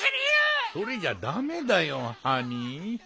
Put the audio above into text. それじゃだめだよハニー。